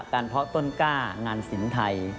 การเพาะต้นก้างานศิลป์ไทย